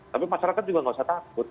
tapi masyarakat juga nggak usah takut